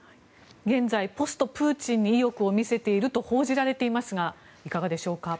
現在ポストプーチンに意欲を見せていると報じられていますがいかがでしょうか。